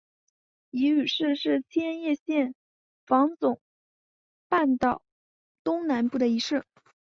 夷隅市是千叶县房总半岛东南部的一市。